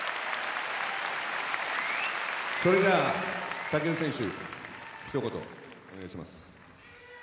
それじゃ、武尊選手ひと言お願いします。